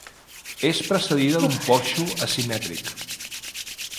És precedida d'un porxo asimètric.